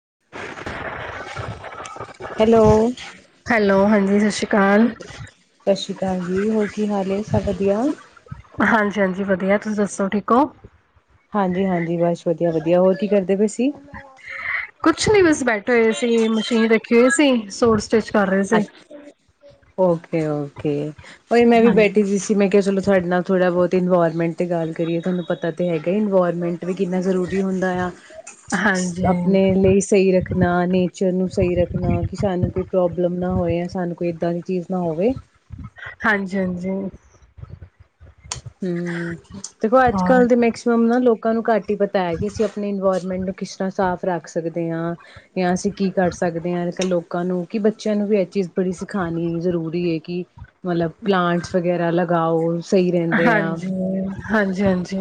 [unintelligible] ਵੀਰ ਜੀ ਸਤਿ ਸ਼੍ਰੀ ਅਕਾਲ ਸਤਿ ਸ੍ਰੀ ਅਕਾਲ ਜੀ ਹੋਰ ਕੀ ਹਾਲ ਏ, ਸਭ ਵਧੀਆ। ਹਾਂਜੀ ਹਾਂਜੀ ਵਧੀਆ ਤੁਸੀਂ ਦੱਸੋ ਠੀਕ ਹੋ? ਹਾਂਜੀ-ਹਾਂਜੀ, ਬਸ ਵਧੀਆ-ਵਧੀਆ, ਹੋਰ ਕੀ ਕਰਦੇ ਪਏ ਸੀ? ਹ [inaudible] ਕੁੱਛ ਵੀ ਬਸ। ਬੈਠੇ ਹੋਏ ਸੀ ਮਸ਼ੀਨ ਖੇਲ ਸੀ ਸੌਰਸ ਅੱਛ ਓਕੇ ਓ ਖੇਲ। ਓਏ ਮੈਂ ਵੀ ਬੈਠੀ ਹਾਂਜੀ ਸੀ ਸੂਰਮੇ ਕਿਸੇ ਨੂੰ ਕਿਉਂ ਦਸਾਂ ਨਾਲ ਥੋੜਾ ਬਹੁਤ ਇਨਵਾਰਮੈਂਟ ਤੇ ਗੱਲ ਕਰੀਏ ਤੁਹਾਨੂੰ ਪਤਾ ਤਾਂ ਹੈਗਾ, ਇਨਵਾਇਰਮੈਂਟ। ਵੀ ਕਿੰਨਾ ਜ਼ਰੂਰੀ ਹੁੰਦਾ ਆ ਹਾਂਜੀ ਆਪਣੇ ਲਈ ਸਹੀ ਰੱਖਣਾ, ਨੇਚਰ ਨੂੰ ਸਹੀ ਰੱਖਣਾ ਕਿ ਸਾਨੂੰ ਕੋਈ [unintelligible] ਮਤਲਬ ਨਾ ਹੋਏ ਸਾਨੂੰ ਕੋਈ ਏਦਾਂ ਦੀ ਚੀਜ਼ ਨਾ ਹੋਵੇ। ਹਾਂਜੀ-ਹਾਂਜੀ, ਜਰੂ ਹੂੰ, ਦੇਖੋ ਅੱਜ ਹੋਰ ਕੱਲ ਦੇ ਮੈਕਸੀਮਮ ਨਾ ਲੋਕ ਕਾਹਨੂੰ ਘ ਪਤਾ ਏਹ ਕਿ ਅਸੀਂ ਆਪਣੀ ਇਨਵਾਇਰਮੈਂਟ ਨੂੰ ਕਿਸ ਤਰ੍ਹਾਂ ਸਾਫ਼ ਰੱਖ ਸਕਦੇ। ਹ ਜਾਂ ਅਸੀਂ ਕੀ ਕਰ ਸਕਦੇ ਹਾਂ? ਅੱਜ ਕੱਲ੍ਹ ਲੋਕਾਂ ਨੂੰ ਕਿ ਬੱਚਿਆਂ ਨੂੰ ਵੀ ਇਹ ਚੀਜ਼ ਬੜੀ ਸਿਖਾਣੀ ਜ਼ਰੂਰੀ ਹੈ, ਕਿ ਮਤਲਬ ਪਲਾਂਟਸ ਵਗੈਰਾ ਅਲੱਗ ਗਾਓ ਸਹੀ ਵੇ। ਹਾਂਜੀ। ਹਾਂਜੀ-ਹਾਂਜੀ,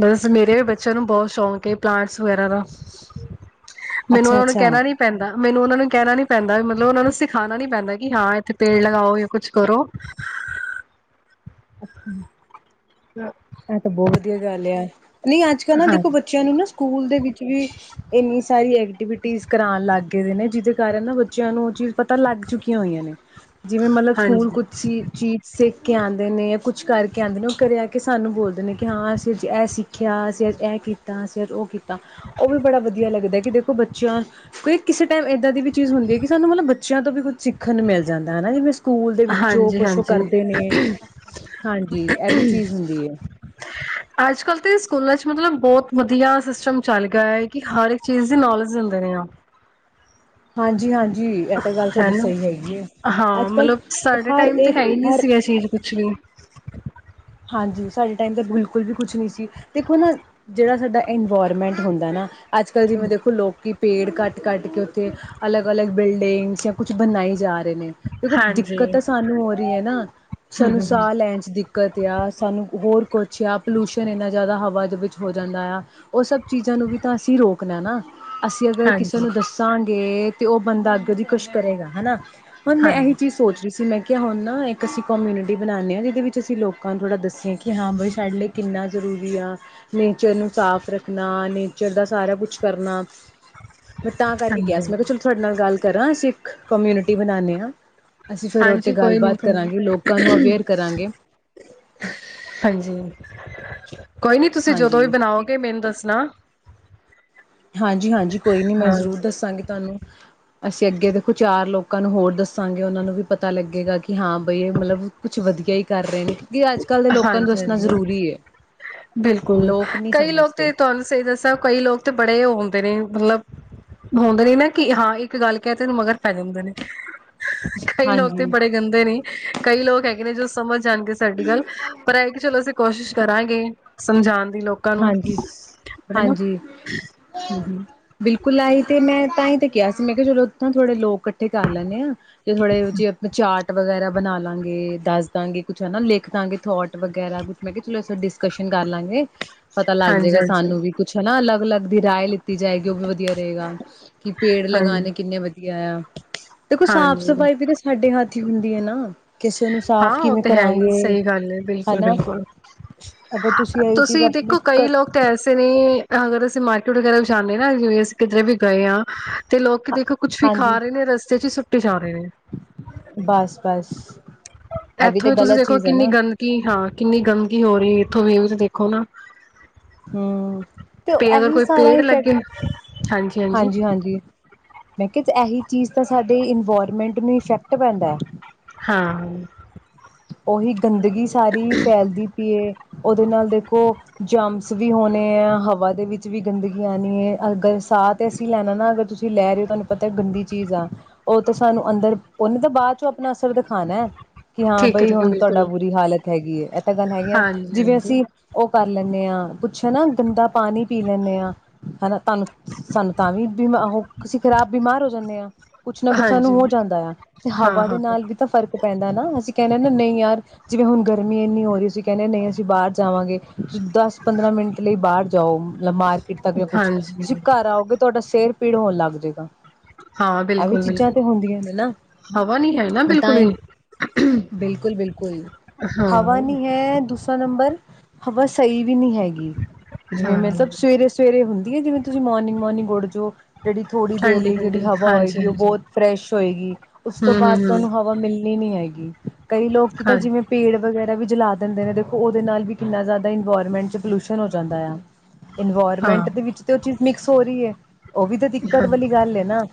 ਬਸ ਮੇਰੇ ਬੱਚਿਆਂ ਨੂੰ ਬਹੁਤ ਸ਼ੌਂਕ ਹੈ, ਪਲਾਂਟਸ ਵਗੈਰਾ ਦਾ। ਮੈਨੂੰ ਅੱਛਾ ਉਹਨਾਂ ਨੂੰ ਅੱਛਾ ਕਹਿਣਾ ਨੀ ਪੈਂਦਾ। ਮੈਨੂੰ ਉਹਨਾਂ ਨੂੰ ਕਹਿਣਾ ਨੀ ਪੈਂਦਾ, ਮਤਲਬ ਉਹਨਾਂ ਨੂੰ ਸਿਖਾਣਾ ਨੀ ਪੈਂਦਾ ਕਿ ਹਾਂ ਇੱਥੇ ਪੇੜ ਲਗਾਓ, ਜਾਂ ਕੁਛ ਕਰੋ। ਅੱਛਾ, [inaudible] ਆਹ ਤੇ ਬਹੁਤ ਵਧੀਆ ਗੱਲ ਆ। ਨਹੀਂ ਅੱਜ-ਕੱਲ੍ਹ ਨਾ ਹਾਂ ਦੇਖੋ ਬੱਚਿਆਂ ਨੂੰ ਨਾ ਸਕੂਲ ਦੇ ਵਿੱਚ ਵੀ ਇੰਨੀ ਸਾਰੀ ਐਕਟੀਵਿਟੀਸ ਕਰਵਾਣ ਲੱਗ ਨੇ ਜਿਹਦੇ ਕਾਰਨ ਨਾ ਬੱਚਿਆਂ ਨੂੰ ਉਹ ਚੀਜ਼ ਪਤਾ ਲੱਗ ਚੁੱਕੀਆਂ ਹੋਈਆਂ ਨੇ, ਜਿਵੇਂ ਮਤਲਬ ਸਕੂਲ ਹਾਂਜੀ ਕੁਛ ਚੀਜ਼ ਸਿੱਖ ਕੇ ਆਦੇ ਨੇ ਜਾਂ ਕੁਛ ਕਰਕੇ ਆਦੇ ਨੇ ਉਹ ਆਕੇ ਸਾਨੂੰ ਬੋਲਦੇ ਨੇ ਕਿ ਹਾਂ ਅਸੀਂ ਅਜ ਇਹ ਸਿੱਖਿਆ, ਅਸੀਂ ਅੱਜ ਇਹ ਕੀਤਾ, ਅਸੀਂ ਅੱਜ ਉਹ ਕੀਤਾ, ਉਹ ਵੀ ਬੜਾ ਵਧੀਆ ਲੱਗਦਾਏ। ਕਿ ਦੇਖੋ ਬੱਚਿਆਂ ਕੋਈ ਕਿਸੇ ਟਾਈਮ ਏਦਾਂ ਦੀ ਵੀ ਚੀਜ਼ ਹੁੰਦੀ ਏ। ਕਿ ਸਾਨੂੰ ਮਤਲਬ ਬੱਚਿਆਂ ਤੋਂ ਵੀ ਕੁੱਝ ਸਿੱਖਨ ਨੂੰ ਮਿਲ ਜਾਂਦਾ ਹਨਾ ਜਿਵੇਂ ਸਕੂਲ ਦੇ ਵਿੱਚੋਂ ਹਾਂਜੀ ਕੁਛ ਹਾਂਜੀ ਕਰਦੇ ਨੇ, ਹਾਂਜੀ ਇਹ ਵੀ ਚੀਜ਼ ਹੁੰਦੀ ਹੈ ਅੱਜ ਕੱਲ ਤੇ ਸਕੂਲਾਂ ਚ ਮਤਲਬ ਬਹੁਤ ਵਧੀਆ ਸਿਸਟਮ ਚੱਲ ਗਿਆ ਏ। ਕਿ ਹਰ ਇੱਕ ਚੀਜ਼ ਦੀ ਨੌਲੇਜ ਦਿੰਦ ਪਏ ਆ। ਹਾਂਜੀ, ਹਾਂਜੀ। ਹੈਨਾ, ਹਾਂ ਮਤਲਬ ਅੱਜ-ਕੱਲ੍ਹ ਸਾਡੇ ਹਰ ਟਾਈਮ ਤੇ ਇੱਕ ਹੈ ਈ ਨਈ ਹਰ ਸੀ ਇਹ ਚੀਜ਼ ਕੁਛ ਵੀ। ਹਾਂਜੀ ਸਾਡੇ ਟਾਈਮ ਤੇ ਬਿਲਕੁਲ ਵੀ ਕੁਛ ਨਹੀਂ ਸੀ। ਦੇਖੋ ਨਾ ਜਿਹੜਾ ਸਾਡਾ ਇਨਵਾਰਮੈਂਟ ਹੁੰਦਾ ਨਾ ਅੱਜ ਕੱਲ੍ਹ ਜਿਵੇਂ ਦੇਖੋ ਲੋਕ ਪੇੜ ਕੱਟ, ਕੱਟ ਕੇ ਉੱਥੇ ਅਲੱਗ, ਅਲੱਗ ਬਿਲਡਿੰਗਸ ਯਾ ਕੁਛ ਬਣਾਏ ਜਾ ਰੇ ਨੇ। ਦੇਖੋ ਹਾਂਜੀ ਦਿੱਕਤ ਤਾਂ ਸਾਨੂੰ ਹੋ ਰੀ ਏ ਨਾ, ਹਮ ਸਾਨੂੰ ਹਮ ਹਮ ਸਾਹ ਲੈਨ ਚ ਦਿੱਕਤ ਸਾਨੂੰ ਹੋਰ ਕੁਛ ਆ ਪੋਲਿਊਸ਼ਨ ਇੰਨਾ ਜ਼ਿਆਦਾ ਹਵਾ ਦੇ ਵਿੱਚ ਹੋ ਜਾਂਦਾ ਆ। ਉਹ ਸਭ ਚੀਜ਼ਾਂ ਨੂੰ ਵੀ ਤਾਂ ਅਸੀਂ ਰੋਕਨਾਏ ਨਾ। ਅਸੀਂ ਅਗਰ ਕਿਸੇ ਹਾਂਜੀ ਨੂੰ ਦੱਸਾਂ ਗੇ ਤੇ ਉਹ ਬੰਦਾ ਅੱਗੋ ਦੀ ਕੁਸ਼ ਕਰੇਗਾ ਹੇਨਾ ਹੁਣ ਮੈਂ ਏਹੀ ਹਾਂਜੀ ਚੀਜ਼ ਸੋਚ ਜਿਸਸੀਂ ਮੈਂ ਕਿਹਾ ਹੁਨ ਨਾ ਇੱਕ ਅਸੀਂ ਕੋਮਊਨਿਟੀ ਬਨਾਨੇ ਆਂ ਜਿਹਦੇ ਵਿੱਚ ਅਸੀਂ ਲੋਕ ਲੋਕਾਂ ਨੂੰ ਥੋੜ੍ਹਾ ਦੱਸੀਏ ਕਿ ਹਾਂ ਬਈ ਸਾਡੇ ਲਈ ਕਿੰਨਾ ਜਰੂਰੀ ਆ। ਨੇਚਰ ਨੂੰ ਸਾਫ਼ ਰੱਖਨਾ, ਨੇਚਰ ਦਾ ਸਾਰਾ ਕੁਛ ਕਰਨਾ, ਮੈਂ ਤਾਂ ਕਰਕੇ ਕਿਹਾ ਸੀ ਹਾਂਜੀ ਮੈਂ ਕਿਹਾ ਚਲੋ ਤੁਹਾਡੇ ਨਾਲ ਗੱਲ ਕਰਾਂ ਅਸੀਂ। ਕੋਮਊਨਿਟੀ ਬਨਾਨੇ ਆਂ। ਅਸੀਂ ਫੇਰ ਉਹ ਤੇ ਹਾਂਜੀ ਕੋਈ ਨੀ ਗੱਲਬਾਤ ਕੋਈ ਨੀ ਕਰਾਂਗੇ ਲੋਕਾਂ ਨੂੰ ਅਵੇਅਰ ਕਰਾਂਗੇ। ਹਾਂਜੀ। ਕੋਈ ਨੀ ਤੁਸੀਂ ਜਦੋਂ ਵੀ ਹਾਂਜੀ ਬਨਾਓਗੇ ਮੈਨੂੰ ਦੱਸਨਾ। ਹਾਂਜੀ ਹਾਂਜੀ ਕੋਈ ਨੀ ਮੈਂ ਜ਼ਰੂਰ ਹਾਂਜੀ ਦੱਸਾਂਗੀ ਤੁਹਾਨੂੰ, ਅਸੀਂ ਅੱਗੇ ਦੇਖੋ ਚਾਰ ਲੋਕ ਲੋਕਾਂ ਨੂੰ ਹੋਰ ਦੱਸਾਂਗੇ ਉਹਨਾਂ ਨੂੰ ਵੀ ਪਤਾ ਲੱਗੇਗਾ ਕਿ ਹਾਂ ਬਈ ਮਤਲਬ ਕੁਛ ਵਧੀਆ ਹੀ ਕਰ ਰਹੇ ਨੇ ਕਿਉਂਕਿ ਅੱਜ-ਕੱਲ੍ਹ ਦੇ ਲੋਕਾਂ ਨੂੰ ਹਾਂਜੀ, ਦੱਸਣਾ ਹਾਂਜੀ, ਹਨ ਜ਼ਰੂਰੀ ਏ। ਬਿਲਕੁਲ ਲੋਕ ਨੀ ਕਈ ਲੋਕ ਸਮਝਦੇ ਤੇ ਤੁਹਾਨੂੰ ਸਹੀ ਦੱਸਿਆ ਕਈ ਲੋਕ ਤੇ ਬੜੇ ਉਹ ਹੁਨ ਦੇ ਨੇ। ਮਤਲਬ ਹੁੰਦੇ ਨੇ ਨਾ ਕਿ ਹਾਂ ਇੱਕ ਗੱਲ ਕਹਿ ਤੇ ਮਗਰ ਪੈ ਜਾਂਦੇ ਨੇ। ਕਈ ਲੋਕ ਤੇ ਹਾਂਜੀ-ਹਾਂਜੀ, ਬੜੇ ਗੰਦੇ ਨੇ। ਕਈ ਲੋਕ ਹੈਗੇ ਨੇ ਜੋ ਸਮਝ ਜਾਨਗੇ ਸਾਡੀ ਗੱਲ ਪਰ ਐਏ ਕਿ ਚਲੋ ਅਸੀਂ ਕੋਸ਼ਿਸ਼ ਕਰਾਂਗੇ, ਸਮਝਾਨ ਹਾਂਜੀ ਹਾਂਜੀ, ਹਾਂਜੀ ਬਿਲਕੁਲ ਆਈ ਤੇ ਮੈਂ ਤਾਂ ਈ ਤੇ ਕਿਆ ਸੀ ਮੈਂ ਕਿਆ ਚਲੋ ਔਥੋ ਥੋੜੇ ਲੋਕ ਕੱਠੇ ਕਰ ਲੈਂਣੇ ਆਂ ਤੇ ਥੋੜੇ ਜੇ ਅਪਣੇ ਚਾਟ ਵਗੈਰਾ ਬਣਾ ਲਾਂਗੇ, ਦੱਸ ਦਾਂਗੇ ਕੁਛ ਹਨਾਂ, ਲਿਖ ਦਾਂਗੇ ਥੋਟ ਵਗੈਰਾ ਕੁਛ, ਮੈਂ ਕਿਆ ਚਲੋ ਅਸਾ ਡਿਸਕਸ਼ਨ ਕਰ ਲਾਂਗੇ। ਪਤਾ ਲੱਗ ਜੇਗਾ ਹਾਂਜੀ ਸਾਨੂੰ ਵੀ ਕੁੱਛ ਹਨਾਂ ਅਲੱਗ ਲੱਗ। ਦੀ ਰਾਏ ਲਿੱਤ ਜਾਏਗੀ ਔ ਵੀ ਵਧੀਆ ਰਏਗਾ ਕਿ ਪੇੜ ਹਾਂਜੀ ਲਗਾਣੇ ਕਿੰਨੇ ਵਧੀਐ ਆ। ਦੇਖੋ ਸਾਫ਼ ਹਾਂਜੀ ਸਫ਼ਾਈ ਵੀ ਤਾਂ ਸਾਡੇ ਹੱਥ ਹੀ ਹੁੰਦ ਏ ਨਾਂ। ਕਿਸੇ ਨੂੰ ਹਾਂ ਸਾਫ਼ ਉਹ ਕਿਵੇਂ ਤੇ ਹੈ ਹੀ ਕਰਾਂਗੇ ਸਹੀ ਗੱਲ ਹੈ ਬਿਲਕੁਲ ਹਨਾਂ! ਬਿਲਕੁਲ ਅਗਰ ਤੁਸੀਂ ਅਈਔ ਚੀਜ਼ ਅਪ ਕੋ ਕਈ ਲੋਕ ਤਾਂ ਐਸੇ ਨੇ ਅਹੰ ਅਰ ਅਸੀਂ ਮਾਰਕੀਟ ਵਗੈਰਾ ਵੀ ਜਾਦੇ ਨਾ ਜਿਂਵੇਂ ਅਸੀਂ ਕਿਧਰੇ ਵੀ ਗਏ ਆਂ ਤੇ ਲੋਕ ਦੇਖੋ ਕੁੱਛ ਵੀ ਹਾਂਜੀ ਖਾ ਰਹੇ ਨੇ ਰਸਤੇ ਚ [unintelligible] ਬਸ, ਬਸ। ਇਹ ਵੀ ਏੱਥੋਂ ਤੇ ਹੀ ਤੁਸੀਂ ਗ਼ਲਤ ਦੇਖੋ ਚੀਜ਼ ਹੈ ਕਿੰਨੀ ਨਾ। ਗੰਦਗੀ, ਹਾਂ ਕਿੰਨੀ ਗੰਦਗੀ ਹੋ ਰਹੀ ਇੱਥੋਂ ਏ ਵੀ ਤੇ ਦੇਖੋ ਨਾ। ਹੂੰ ਤੇ ਪੇ ਅਗਰ ਏਹੀ ਕੋਈ ਸਾਰਾ ਪੇੜ ਲੱਗੇ ਇਫੈਕਟ ਹਾਂਜੀ, ਹਾਂਜੀ ਮੈਂ ਕਿਹਾ ਏਹੀ ਚੀਜ਼ ਤਾਂ ਸਾਡੇ ਇਨਵਾਇਰਮੈਂਟ ਨੂੰ ਇਫੈਕਟ ਪੈਂਦਾ। [unintelligible] ਹਾਂ। ਔਹੀ ਗੰਦਗੀ ਸਾਰੀ ਫੈਲਦੀ ਪੀਏ। ਉਹਦੇ ਨਾਲ ਦੇਖੋ ਜਮਸ ਵੀ ਹੋਣੇ ਆਂ, ਹਵਾ ਦੇ ਵਿੱਚ ਵੀ ਗੰਦਗੀ ਆਣੀ ਏ, ਅਗਰ ਸਾਹ ਤੇ ਅਸੀਂ ਲੈਣਾ ਨਾ ਅਗਰ ਤੁਸੀਂ ਲੈ ਰਹੇ ਹੋ ਤੁਹਾਨੂੰ ਪਤਾ ਗੰਦੀ ਚੀਜ਼ ਆ ਔਹ ਤਾਂ ਸਾਨੂੰ ਅੰਦਰ ਉਹਨੇ ਬਾਅਦ ਚੋਂ ਅਪਣਾ ਅਸਰ ਖਾਣਾ ਠੀਕ ਹੈ ਬਈ ਠੀਕ ਹੈ ਹੁਣ ਤੁਹਾਡਾ ਬਿਲਕੁਲ ਬੁਰੀ ਹਾਲਤ ਹੈਗੀ ਏ, ਏਤ ਗੱਲ ਹੈਗੀ ਆ ਹਾਂਜੀ ਜਿਵੇਂ ਹਾਂਜੀ ਅਸੀਂ ਔਹ ਕਰ ਲੈਂਦੇ ਆਂ, ਕੁੱਛ ਆ ਨਾ ਗੰਦਾ ਪਾਣੀ ਪੀ ਲੈਂਦੇ ਆਂ। ਹਨਾ [unintelligible] ਤੁਹਾਨੂੰ ਸਾਨੂੰ ਤਾਂ ਵੀ ਬਿਮਾ ਉਹ ਅਸੀਂ ਖ਼ਰਾਬ ਬਿਮਾਰ ਹੋ ਜਾਂਣੇ ਹਾਂ। ਕੁਛ ਨਾ ਕੁਛ ਸਾਨੂੰ ਹਾਂਜੀ ਹੋ ਜਾਂਦਾ ਆ ਤੇ ਹਾਂ ਹਵਾ ਦੇ ਹਾਂ ਨਾਲ ਵੀ ਤਾਂ ਫ਼ਰਕ ਪੈਂਦਾ ਨਾ ਅਸੀਂ ਕਹਿੰਦੇ ਨਹੀਂ ਯਾਰ ਜਿਵੇਂ ਹੁਣ ਗਰਮੀ ਇੰਨੀ ਹੋ ਰਹੀ ਸੀ ਕਹਿੰਦੇ ਨਹੀਂ ਅਸੀਂ ਬਾਹਰ ਜਾਵਾਂਗੇ। ਤੁਸੀ ਦਸ ਪੰਦਰਾਂ ਮਿੰਟ ਲਈ ਬਾਹਰ ਜਾਓ, ਮਤਲਬ ਮਾਰਕੀਟ ਤੱਕ ਜਾਂ ਕੁਛ ਹਾਂਜੀ ਤੁਸੀਂ ਘਰ ਆਓਗੇ ਤੁਹਾਡਾ ਸਿਰ ਪੀੜ ਹੋਣ ਲੱਗ ਜਾਏਗਾ ਹਾਂ ਇਹ ਵੀ ਬਿਲਕੁਲ ਚੀਜ਼ਾਂ ਬਿਲਕੁਲ ਤੇ ਹੁੰਦੀਆਂ ਨੇ ਨਾ ਹਵਾ ਨੀ ਹੈ ਨਾ ਮੈਂ ਤਾਂ ਬਿਲਕੁਲ ਹੀ ਵੀ ਬਿਲਕੁਲ ਬਿਲਕੁਲ ਹਵਾ ਹਾਂ ਨੀ ਹੈ ਦੂਸਰਾ ਨੰਬਰ ਹਵਾ ਸਹੀ ਵੀ ਨਹੀ ਹੈਗੀ ਜਿਵੇਂ ਹਾਂ ਮਤਲਬ ਸਵੇਰੇ ਸਵੇਰੇ ਹੁੰਦੀ ਏ ਜਿਵੇਂ ਤੁਸੀਂ ਮੋਰਨਿੰਗ ਮੋਰਨਿੰਗ ਉੜਜੋ ਜਿਹੜੀ ਥੋੜ੍ਹੀ ਦੇਰ ਠੰਡੀ ਲਈ ਜਿਹੜੀ ਠੰਡੀ ਹਵਾ ਹਾਂਜੀ ਹੋਏਗੀ ਉਹ ਹਾਂਜੀ ਬਹੁਤ ਫਰੈਸ਼ ਹੋਏਗੀ ਉਸ ਤੋਂ ਬਾਅਦ ਹਮ ਤੁਹਾਨੂੰ ਹਵਾ ਮਿਲਣੀ ਨੀ ਹੈਗੀ [unintelligible] ਕਈ ਲੋਕ ਤਾਂ ਹਮ ਜਿਵੇਂ ਪੇੜ ਵਗੈਰਾ ਵੀ ਜਲਾ ਦਿੰਦੇ ਨੇ ਦੇਖੋ ਉਹਦੇ ਨਾਲ ਵੀ ਕਿੰਨਾ ਜ਼ਿਆਦਾ ਇਨਵੋਰਮੈਂਟ ਚ' ਪੋਲਿਊਸ਼ਨ ਹੋ ਜਾਂਦਾ ਆ ਹਮ ਇਨਵੋਰਮੈਂਟ ਦੇ ਵਿੱਚ ਤੇ ਉਹ ਚੀਜ਼ ਮਿਕਸ ਹੋ ਰਹੀ ਹੈ ਉਹ ਵੀ ਤਾਂ ਹਾਂਜੀ ਹਾਂ ਹਾਂਜੀ ਦਿੱਕਤ ਹਮ ਵਾਲੀ ਗੱਲ ਹੈ ਨਾ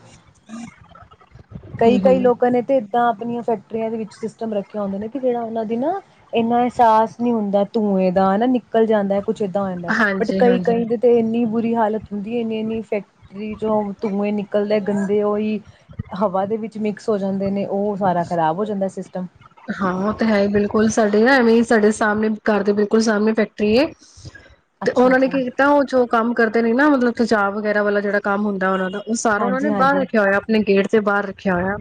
ਕਈ ਕਈ ਹਮ ਲੋਕਾਂ ਨੇ ਤੇ ਤਾਂ ਆਪਣੀਆਂ ਫੈਕਟਰੀਆਂ ਦੇ ਵਿੱਚ ਰੱਖਿਆ ਹੁੰਦੇ ਨੇ ਕਿ ਜਿਹੜਾ ਉਹਨਾਂ ਦੀ ਨਾ ਇੰਨਾ ਅਹਿਸਾਸ ਨਹੀਂ ਹੁੰਦਾ ਧੂੰਏ ਦਾ ਹਨਾ ਨਿਕਲ ਜਾਂਦਾ ਕੁੱਛ ਏਦਾਂ ਹੋ ਜਾਂਦਾ ਬਟ ਹਾਂਜੀ ਕਈ ਹਾਂਜੀ ਕਈ ਦੇ ਤੇ ਇੰਨੀ ਬੁਰੀ ਹਾਲਤ ਕਦੀ ਇੰਨੀ ਇੰਨੀ ਫੈਕਟਰੀ ਚ ਧੂੰਏ ਨਿਕਲਦੇ ਗੰਦੇ ਓ ਹੀ ਹਵਾ ਦੇ ਵਿੱਚ ਮਿਕਸ ਹੋ ਜਾਂਦੇ ਨੇ ਉਹ ਸਾਰਾ ਖਰਾਬ ਹੋ ਜਾਂਦਾ ਸਿਸ ਹਾਂ ਉਹ ਤੇ ਹੈ ਹੀ ਬਿਲਕੁਲ ਸਾਡੇ ਨਾ ਐਵੇਂ ਸਾਡੇ ਸਾਹਮਣੇ ਘਰ ਦੇ ਬਿਲਕੁਲ ਸਾਹਮਣੇ ਫੈਕਟਰੀ ਤੇ ਉਹਨਾਂ ਨੇ ਅੱਛਾ-ਅੱਛਾ, ਕੀ ਕੀਤਾ ਉਹ ਜੋ ਕੰਮ ਕਰਦੇ ਨੇ ਨਾ ਮਤਲਬ ਤਜਾਬ ਵਗੈਰਾ ਵਾਲਾ ਜਿਹੜਾ ਕੰਮ ਹੁੰਦਾ ਉਹਨਾਂ ਦਾ ਉਹ ਸਾਰਾ ਉਹਨਾਂ ਨੇ ਬਾਹਰ ਹਾਂਜੀ-ਹਾਂਜੀ, ਰੱਖਿਆ ਹੋਇਆ ਆਪਣੇ ਗੇਟ ਤੇ ਬਾਹਰ ਰੱਖਿਆ ਹੋਇਆ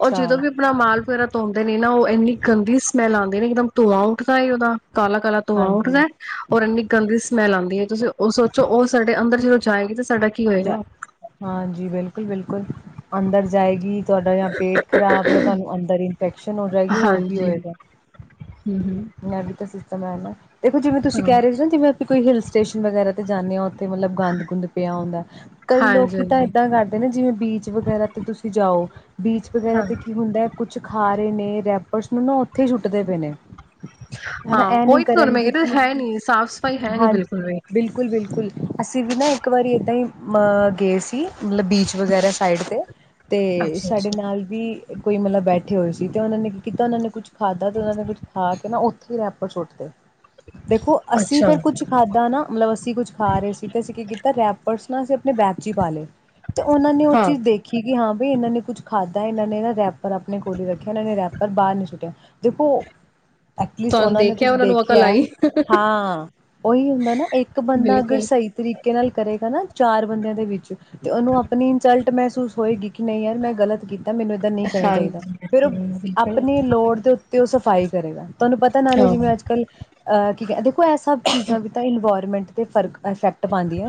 ਉਹ ਜਦੋਂ ਵੀ ਆਪਣਾ ਮਾਲ ਧੋਂਂਦੇ ਨੇ ਨਾ ਉਹ ਇੰਨੀ ਗੰਦੀ ਸਮੈਲ ਆਂਦੀ ਏ ਨਾ ਇੱਕਦਮ ਧੂੰਆ ਉੱਠਦਾ ਏ ਉਹਦਾ ਕਾਲਾ ਕਾਲਾ ਧੂੰਆ ਉੱਠਦੈ ਹਾਂਜੀ। ਔਰ ਇੰਨੀ ਗੰਦੀ ਸਮੈਲ ਆਂਦੀ ਏ ਤੁਸੀਂ ਉਹ ਸੋਚੋ ਉਹ ਸਾਡੇ ਅੰਦਰ ਜਦ ਜਾਏਗੀ ਤਾਂ ਹਾਂਜੀ ਬਿਲਕੁਲ ਬਿਲਕੁਲ ਅੰਦਰ ਜਾਏਗੀ ਤੁਹਾਡਾ ਯਾ ਪੇਟ ਖਰਾਬ ਜਾਂ ਤੁਹਾਨੂੰ ਅੰਦਰ ਇਨਫੈਕਸ਼ਨ ਹੋ ਜਾਏਗੀ ਹੋਰ ਕੀ ਹਾਂਜੀ ਹੋਏਗਾ ਹਮ ਹਮ ਮ ਵੀ ਤਾਂ ਸਿਸਟਮ ਹੈ ਨਾ ਦੇਖੋ ਜਿਵੇ ਤੁਸੀਂ ਹਾਂ ਕਹਿ ਰਹੇ ਸੀ ਨਾ ਜਿਵੇ ਉੱਥੇ ਕੋਈ ਹਿੱਲ ਸਟੇਸ਼ਨ ਵਗੈਰਾ ਜਾਂਦੇ ਹੋ ਤੇ ਮਤਲਬ ਗੰਦ ਗੁੰਦ ਪਿਆ ਹੁੰਦਾ ਕਈ ਹਾਂਜੀ ਲੋਕੀ ਤਾਂ ਹਾਂਜੀ ਏਦਾਂ ਕਰਦੇ ਨੇ ਜਿਵੇਂ ਬੀਚ ਵਗੈਰਾ ਤੇ ਤੁਸੀਂ ਜਾ ਦਓ ਬੀਚ ਵਗੈਰਾ ਹਾਂ ਤੇ ਕੀ ਹੁੰਦਾ ਹੈ ਕੁਛ ਖਾ ਰਹੇ ਨੇ ਰੈਪਰਸ ਨੂੰ ਨਾ ਉੱਥੇ ਹੀ ਛੁੱਟਦੇ ਪਏ ਨੇ ਹਨਾ ਹਾਂ ਇਹ ਨੀ ਉਹੀ ਤਾਂਹੂੰ ਮੈਂ ਕਰਨਗੇ ਕਿਹਾ ਕਿ ਹੈ ਨਹੀਂ ਸਾਫ਼ ਸਫ਼ਾਈ ਹੈ ਨੀ ਹਾਂ ਬਿਲਕੁਲ ਵੀ ਬਿਲਕੁਲ ਬਿਲਕੁਲ ਅਸੀਂ ਵੀ ਨਾ ਇੱਕ ਵਾਰੀ ਇੱਦਾਂ ਹੀ ਮ ਗ ਸੀ ਮਤਲਬ ਬੀਚ ਵਗੈਰਾ ਸਾਈਡ ਤੇ ਤੇ ਅੱਛਾ ਸਾਡੇ ਅੱਛਾ ਨਾਲ ਵੀ ਕੋਈ ਮਤਲਬ ਬੈਠੇ ਹੋਏ ਸੀ ਤੇ ਉਹਨਾਂ ਨੇ ਕੀ ਕੀਤਾ ਉਹਨਾਂ ਨੇ ਕੁਛ ਖਾਧਾ ਤੇ ਉਹਨਾਂ ਦੇ ਵਿੱਚ ਖਾ ਕੇ ਨਾ [unintelligible] ਦੇਖੋ ਅਸੀਂ ਅੱਛਾ ਫਿਰ ਕੁੱਛ ਖਾਧਾ ਨਾ ਮਤਲਬ ਅਸੀਂ ਕੁੱਛ ਖਾ ਰਹੇ ਸੀ ਤੇ ਅਸੀਂ ਕੀ ਕੀਤਾ ਰੈਪਰ ਅਸੀਂ ਆਪਣੇ ਬੈਪ ' ਹੀ ਪਾ ਲਏ ਤੇ ਉਹਨਾਂ ਨੇ ਉਹ ਹਾਂ ਚੀਜ਼ ਦੇਖੀ ਕਿ ਹਾਂ ਵੀ ਇਹਨਾਂ ਨੇ ਕੁਛ ਖਾਧਾ ਇਹਨਾਂ ਨੇ ਨਾ ਰੈਪਰ ਆਪਣੇ ਕੋਲ ਹੀ ਰੱਖਿਆ ਇਹਨਾਂ ਨੇ ਰੈਪਰ ਬਾਹਰ ਨੀ ਸੁੱਟਿਆ ਦੇਖੋ ਐਟਲੀਸਟ ਤੁਹਾਨੂੰ ਉਹਨਾਂ ਨੇ ਕੁਛ ਨੂੰ ਅਕਲ ਦੇਖਿਆ ਹੈ ਆਈ ਹਾਂ ਉਹੀ ਹੁੰਦਾ ਨਾ ਇੱਕ ਬੰਦਾ ਅਗਰ ਬਿਲਕੁਲ ਸਹੀ ਤਰੀਕੇ ਨਾਲ ਕਰੇਗਾ ਨਾ ਚਾਰ ਬੰਦਿਆਂ ਦੇ ਵਿੱਚ ਤੇ ਉਹਨੂੰ ਆਪਣੀ ਇਨਸਲਟ ਮੈਂ ਮਹਿਸੂਸ ਹੋਏਗੀ ਕਿ ਨਹੀਂ ਯਾਰ ਮੈਂ ਗਲਤ ਕੀਤੀ ਮੈਨੂੰ ਏਦਾਂ ਨਹੀਂ ਕਰਨਾ ਚਾਹੀਦਾ ਹਾਂਜੀ ਫਿਰ ਉਹ ਬਿਲਕੁਲ ਆਪਣੀ ਲੋੜ ਦੇ ਉੱਤੇ ਉਹ ਸਫ਼ਾਈ ਕਰੇਗਾ ਤੁਹਾਨੂੰ ਪਤਾ ਨਾਲੇ ਹਾਂ ਜਿਵੇਂ ਅੱਜ ਕੱਲ [unintelligible] ਉਹਈ ਸਭ ਚੀਜ਼ਾਂ ਬਤਾਂ ਇਨਵਾਇਰਮੈਂਟ ਅਤੇ ਫਰਕ ਇਫੈਕਟ ਪਾਉਂਦੀਆਂ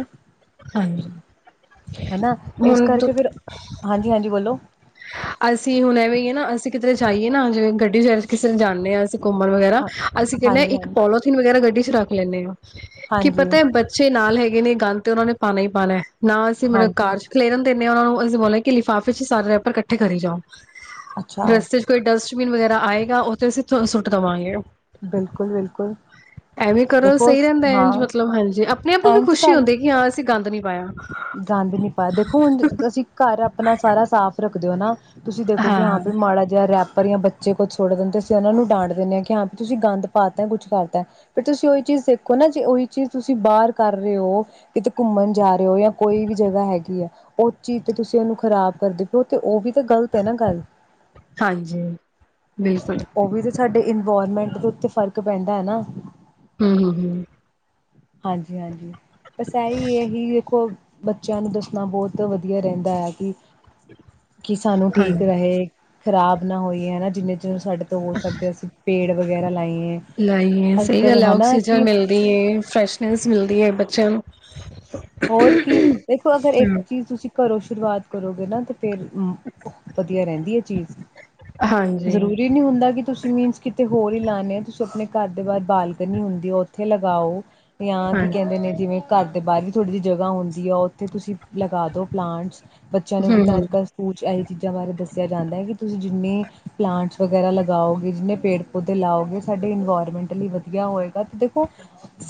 ਹਾਂਜੀ ਹਨਾ ਇਸ ਹੁਣ ਤ ਕਰਕੇ ਫਿਰ ਹਾਂਜੀ ਹਾਂਜੀ ਬੋਲੋ [inaudible] ਅਸੀਂ ਹੁਣ ਐਵੇਂ ਹੀ ਹੈ ਨਾ ਅਸੀਂ ਕਿਧਰੇ ਜਾਈਏ ਨਾ ਜਿਵੇਂ ਗੱਡੀ ਚ ਕਿਸੇ ਜਾਂਦੇ ਹਾਂ ਘੁੰਮਣ ਵਗੈਰਾ ਹਾਂ ਅਸੀਂ ਕਹਿੰਦੇ ਹਾਂਜੀ ਇੱਕ ਹਾਂਜੀ ਪੋਥੀਨ ਵਗੈਰਾ ਗੱਡੀ ਚ ਰੱਖ [unintelligible] ਕੀ ਹਾਂਜੀ ਪਤਾ ਹੈ ਬੱਚੇ ਨਾਲ ਹੈਗੇ ਨੇ ਗ ਤੇ ਉਹਨਾਂ ਨੇ ਪਾਣਾ ਹੀ ਪਾਉਣਾ ਨਾ ਅਸੀਂ ਮਤਲਬ ਹਾਂਜੀ ਕਾਰ ਚ ਖਲੇਰ ਹੁੰਦੇ ਨੇ ਉਹਨਾਂ ਨੂੰ ਬੋਲਿਆ ਕਿ ਲਿਫਾਫੇ ਚ ਸਾਰੇ ਪਰ ਇਕੱਠੇ ਕਰੀ ਜਾਓ ਅੱਛਾ ਰਸਤੇ ਚ ਕੋਈ ਡਸਟਬਿਨ ਵਗੈਰਾ ਦਾ ਆਏਗਾ ਉੱਥੇ ਅਸੀਂ ਸੁੱਟ ਦੇਵਾਂਗੇ ਬਿਲਕੁਲ ਬਿਲਕੁਲ ਐਵੇਂ ਕਰੋ ਦੇਖੋ ਸਹੀ ਰਹਿੰਦਾ ਇੰਝ ਹਾਂ, ਮਤਲਬ ਹਾਂਜੀ ਆਪਣੇ ਆਪ ਨੂੰ ਵੀ ਇਝ ਖੁਸ਼ੀ ਕਰ, ਹੁੰਦੀ ਕਿ ਹਾਂ ਅਸੀਂ ਗੰਦ ਨੀ ਪਾਇਆ ਗੰਦ ਨੀ ਪਾਇਆ, ਦੇਖੋ ਹੁਣ ਤੁਸੀਂ ਘਰ ਆਪਣਾ ਸਾਰਾ ਸਾਫ਼ ਰੱਖ ਦੇ ਹੋ ਨਾ ਤੁਸੀਂ ਦੇਖੋ, ਕਿ ਹਾਂ ਵੀ ਮਾੜਾ ਜਿਹਾ ਰੈਪ ਪਰ ਜਾਂ ਬੱਚੇ ਕੁਝ ਸੁੱਟ ਦਿੰਦੇ ਤੇ ਅਸੀਂ ਉਹਨਾਂ ਨੂੰ ਡਾਂਟ ਦਿੰਦੇ ਹਾਂ ਕਿ ਹਾਂ ਤੁਸੀਂ ਗੰਦ ਪਾਤਾ ਤੇ ਕੁਛ ਕਰਤਾ ਤੇ ਫੇਰ ਤੁਸੀਂ ਉਹੀ ਚੀਜ਼ ਦੇਖੋ ਨਾ ਜੇ ਉਹੀ ਚੀਜ਼ ਤੁਸੀਂ ਬਾਹਰ ਕਰ ਰਹੇ ਹੋ, ਕਿਤੇ ਘੁੰਮਣ ਜਾ ਰਹੇ ਹੋ ਜਾਂ ਕੋਈ ਵੀ ਜਗ੍ਹਾ ਹੈਗੀ ਹੈ ਉਹ ਚੀਜ਼ ਤੇ ਤੁਸੀਂ ਉਹਨੂੰ ਖ਼ਰਾਬ ਕਰਦੇ ਪਓ ਤੇ ਉਹ ਵੀ ਤੇ ਗ਼ਲਤ ਆ ਨਾ ਗੱਲ, ਹਾਂਜੀ ਬਿਲਕੁਲ ਉਹ ਵੀ ਤੇ ਸਾਡੇ ਇਨਵਾਇਰਮੈਂਟ ਉੱਥੇ ਫ਼ਰਕ ਪੈਂਦਾ ਐ ਨਾ ਹੂੰ-ਹੂੰ, ਹੂੰ ਹਾਂਜੀ-ਹਾਂਜੀ, ਬਸ ਆਹੀ ਇਹੀ ਦੇਖੋ ਬੱਚਿਆਂ ਨੂੰ ਦੱਸਣਾ ਬਹੁਤ ਵਧੀਆ ਰਹਿੰਦਾ ਹੈ ਕਿ ਕੀ ਸਾਨੂੰ ਠੀਕ ਹਾਂਜੀ ਰਹੇ। ਖ਼ਰਾਬ ਨਾ ਹੋਈਏ ਹਨਾ, ਜਿੰਨੇ ਜਿਹਨੂੰ ਸਾਡੇ ਤੋਂ ਹੋ ਸਕੇ ਅਸੀਂ ਪੇੜ ਵਗੈਰਾ ਲਾਈ ਲਾਈਏ ਸਹੀ ਗੱਲ ਐ, ਆਕਸੀਜਨ ਮਿਲਦੀ ਐ ਫਰੈਸ਼ ਲਸ ਮਿਲਦੀ ਆ ਬੱਚਿਆਂ ਨੂੰ। ਹੋਰ ਕੀ, ਦੇਖੋ ਅਗਰ ਇੱਕ ਹੂੰ ਚੀਜ਼ ਤੁਸੀਂ ਘਰੋ ਸ਼ੁਰੂਆਤ ਕਰੋਗੇ ਨਾ ਤੇਂ ਫੇਰ ਮ ਵਧ ਦੀਆਂ ਰਹਿੰਦੀ ਆ ਚੀਜ਼ ਹਾਂਜੀ ਜ਼ਰੂਰੀ ਨੀ ਹੁੰਦਾ, ਕਿ ਤੁਸੀਂ ਮੀਨਸ ਕਿੱਥੇ ਹੋਰ ਹੀ ਲਾਨੇ ਆ, ਤੁਸੀਂ ਆਪਣੇ ਘਰ ਦੇ ਬਾਹਰ ਬਾਲਕਨੀ ਹੁੰਦੀ ਆ ਉੱਥੇ ਲਗਾਓ। ਜਾਂ ਹਾਂ ਕੀ ਕਹਿੰਦੇ ਨੇਂ ਜਿਵੇਂ ਘਰ ਦੇ ਬਾਹਰ ਥੋੜੀ ਜੀ ਜਗ੍ਹਾ ਹੁੰਦੀ ਆ, ਉੱਥੇ ਤੁਸੀਂ ਲਗਾ ਦੋ ਪਲਾਂਟਸ। ਬੱਚਿਆਂ ਨੂੰ ਵੀ ਹੂੰ ਤਾਂ ਅੱਜ ਹੂੰ ਕੱਲ੍ਹ ਸਕੂਲ ਚ ਐਈ ਚੀਜ਼ਾਂ ਬਾਰੇ ਦੱਸਿਆ ਜਾਂਦਾ ਐ ਕਿ ਤੁਸੀਂ ਜਿੰਨੇ ਪਲਾਂਟਸ ਵਗੈਰਾ ਲਗਾਓਗੇ, ਜਿੰਨੇ ਪੇੜ ਪੌਦੇ ਲਾਓਗੇ ਸਾਡੇ ਇਨਵਾਇਰਮੈਂਟ ਲਈ ਵਧੀਆ ਹੋਏਗਾ ਤੇ ਦੇਖੋ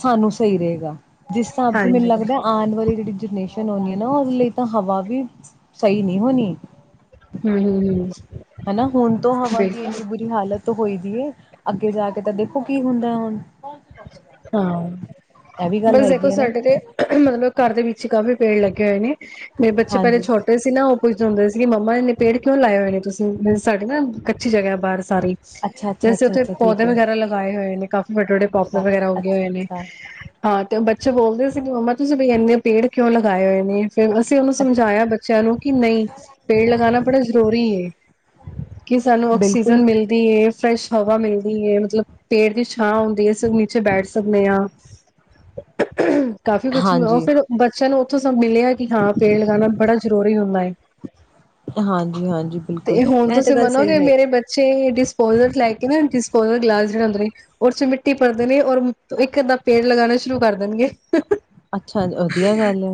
ਸਾਨੂੰ ਸਹੀ ਰਹੇਂਗਾ। ਜਿਸ ਸਾਬ ਚ ਮੈਨ ਹਾਂਜੀ ਲੱਗਦਾ ਬਿਲਕੁਲ ਵਾਲੀ ਜਿਹੜੀ ਜਨਰੇਸ਼ਨ ਆਉਣੀ ਆ ਨਾ, ਉਹਦੇ ਲਈ ਤਾਂ ਹਵਾ ਵੀ ਸਹੀ ਨਹੀਂ ਹੋਣੀ। ਹੂੰ ਹੂੰ ਹੂੰ ਹਨਾ, ਹੁਣ ਤੋਂ ਹਵਾ ਦੀ ਬਿਲਕੁਲ ਇੰਨੀ ਬੁਰੀ ਹਾਲਤ ਹੋਈ ਦੀ ਹੈ, ਅੱਗੇ ਜਾ ਕੇ ਤਾਂ ਦੇਖੋ ਕੀ ਹੁੰਦਾ ਹੁਣ। ਹਾਂ, ਇਹ ਵੀ ਗੱਲ ਬਸ ਦੇਖੋ ਹੈਗੀ ਹੈ ਨਾ ਸਾਡੇ ਤੇ ਮਤਲਬ ਘਰ ਦੇ ਵਿੱਚ ਕਾਫ਼ੀ ਪੇੜ ਲੱਗੇ ਹੋਏ ਨੇ। ਮੇਰੇ ਬੱਚੇ ਪਹਿਲੇ ਹਾਂਜੀ ਛੋਟੇ ਸੀ ਨਾ ਉਹ ਪੁੱਛਦੇ ਹੁੰਦੇ ਸੀਗੇ ਮੰਮਾ ਨੇ ਪੇੜ ਕਿਉਂ ਲਾਏ ਹੋਏ ਨੇ ਤੁਸੀਂ ਸਾਡੀੇ ਨਾ ਕੱਚੀ ਜਗ੍ਹਾ ਬਾਹਰ। ਸਾਰੇ ਅੱਛਾ ਅੱਛਾ ਜੈਸੇ ਅੱਛਾ ਅੱਛਾ ਠੀਕ ਪੌਦੇ ਹੈ ਵਗੈਰਾ ਲਗਾਏ ਹੋਏ ਨੇ ਕਾਫੀ ਵੱਡੇ ਵੱਡੇ ਵਗੈਰਾ ਅੱਛਾ ਉਗੇ ਹੋਏ ਅੱਛਾ ਨੇ ਬੱਚ ਬੋਲਦੇ ਸੀਗੇ ਮੰਮਾ ਤੁਸੀਂ ਬਈ ਇੰਨੇ ਪੇੜ ਕਿਉਂ ਲਗਾਏ ਹੋਏ ਫਿਰ ਅਸੀਂ ਉਹਨੂੰ ਅੱਛਾ ਸਮਝਾਇਆ ਬੱਚਿਆਂ ਨੂੰ ਕਿ ਨਹੀਂ ਪੇੜ ਲਗਾਣਾ ਬੜਾ ਜ਼ਰੂਰੀ ਕਿ ਸਾਨੂੰ ਬਿਲਕੁਲ ਆਕਸੀਜਨ ਮਿਲਦੀ ਹੈ ਫਰੈਸ਼ ਹਵਾ ਮਿਲਦੀ ਹੈ ਪੇਟ ਦੀ ਛਾਂ ਹੁੰਦੀ ਹੈ ਨੀਚੇ ਬੈਠ ਸਕਦੇ ਹਾਂ ਕਾਫੀ ਕੁਛ ਉਹ ਹਾਂਜੀ ਫਿਰ ਬੱਚਿਆਂ ਨੂੰ ਫਿਰ ਮਿਲਿਆ ਕਿ ਹਾਂ ਪੇੜ ਲਗਾਉਣਾ ਬੜਾ ਜ਼ਰੂਰੀ ਹੁੰਦਾ ਹੈ ਹਾਂਜੀ ਹਾਂਜੀ ਬਿਲਕੁਲ ਤੇ ਹੁਣ ਇਹ ਤਾਂ ਤੁਸੀਂ ਗੱਲ ਮੰਨੋਗੇ ਸਹੀ ਹੈ ਮੇਰੇ ਬੱਚੇ ਡਿਸਪੋਜਲ ਲੈ ਕੇ ਨਾ ਡਿਸਪੋਜਲ ਗਲਾਸ [unintelligible] ਟੀ ਭਦੇ ਨੇ ਔਰ ਇੱਕ ਅੱਧਾਂ ਪੇੜ ਲਗਾਉਣਾ ਸ਼ੁਰੂ ਕਰ ਦੇਣਗੇ ਅੱਛਾ ਵਧੀਆ ਗੱਲ ਹੈ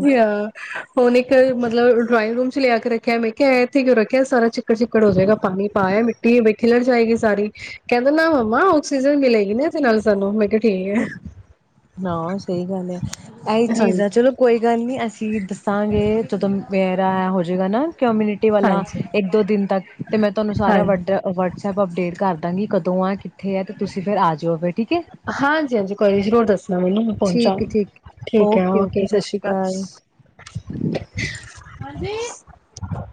ਹੁਨੇ ਇੱਕ ਮਤਲਬ ਡਰਾਇੰਗ ਰੂਮ ਚ ਲਿਆ ਕੇ ਰੱਖਿਆ ਮੈਂ ਕਿਹਾ ਇੱਥੇ ਕਿਉਂ ਰੱਖਿਆ ਸਾਰਾ ਚਿੱਕੜ ਚਿੱਕੜ ਹੋ ਜਾਏਗਾ ਪਾਣੀ ਪਾਆ ਮਿੱਟੀ ਖਿਲੜ ਜਾਏਗੀ ਸਾਰੀ ਕਹਿੰਦੇ ਨਾ ਮੰਮਾ ਆਕਸੀਜਨ ਮਿਲੇਗੀ ਨਾ ਨਾਲ ਸਾਨੂੰ ਮੈਂ ਕਿਹਾ ਠੀਕ ਆ ਹਾਂ ਉਹ ਸਹੀ ਗੱਲ ਹੈ ਇਹੀ ਚੀਜ਼ ਹਾਂਜੀ ਆ ਚਲੋ ਕੋਈ ਗੱਲ ਨੀ ਅਸੀਂ ਦੱਸਾਂਗੇ ਜਦੋਂ ਮੇਰਾ ਹੋਜਏਗਾ ਨਾ ਕਮੇਟੀ ਵਾਲਾ ਹਾਂਜੀ ਇਕ ਦੋ ਦਿਨ ਤੱਕ ਤੇ ਮੈਂ ਤੁਹਾਨੂੰ ਸਾਰਾ ਹਾਂਜੀ ਵਟਸਪ ਅਪਡੇਟ ਕਰ ਕਮੇਟੀ ਪਾਂਗੀ ਕਦੋਂ ਆ ਇੱਥੇ ਆ ਤੇ ਤੁਸੀਂ ਫਿਰ ਆ ਜਾਓ ਫਿਰ ਠੀਕ ਹੈ ਨਵ ਨ ਮ ਠੀਕ ਪਹੁੰਚਾਗੀ ਠੀਕ ਠੀਕ ਹੈ ਓਕੇ ਸਤਿ ਸ਼੍ਰੀ ਅਕਾਲ ਸ੍ਰੀ ਹਾਂਜੀ ਅਕਾਲ